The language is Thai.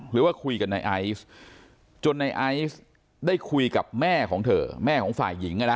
หรือว่าคุยกับนายไอซ์จนในไอซ์ได้คุยกับแม่ของเธอแม่ของฝ่ายหญิง